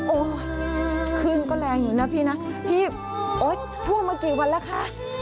โอ้โหขึ้นก็แรงอยู่นะพี่นะพี่โอ๊ยท่วมมากี่วันแล้วคะ